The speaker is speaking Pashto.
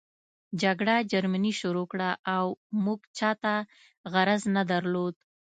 جګړه جرمني شروع کړه او موږ چاته غرض نه درلود